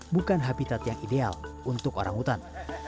bukan habitat yang ideal untuk orangutan